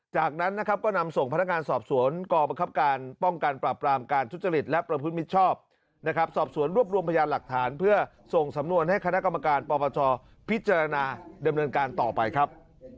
จากนั้นนะครับก็นำส่งพนักงานสอบสวนกรบังคับการป้องกันปราบปรามการทุจริตและประพฤติมิชชอบนะครับสอบสวนรวบรวมพยานหลักฐานเพื่อส่งสำนวนให้คณะกรรมการปปชพิจารณาดำเนินการต่อไปครับ